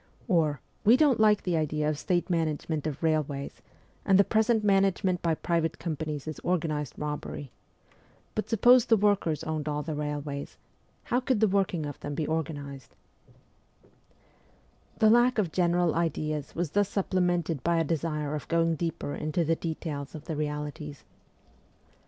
Or, ' We don't like the idea of state management of railways, and the present management by private companies is organized robbery. But suppose the workers owned 314 MEMOIRS OF A REVOLUTIONIST all the railways. How could the working of them be organized?' The lack of general ideas was thus supplemented by a desire of going deeper into the details of the realities.